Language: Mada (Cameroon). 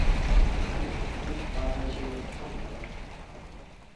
Nuɓa zeya kwandara.